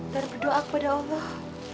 dan berdoa kepada allah